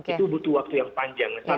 itu butuh waktu yang panjang